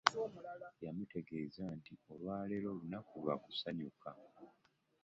Yamutegeza nti olwalero lunaku lwakusanyuka .